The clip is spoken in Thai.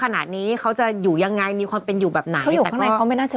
แต่เขาจะไล่ฟ้องนั้นพี่มูธ